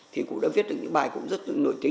thì cụ đã viết được những bài cũng rất nổi tiếng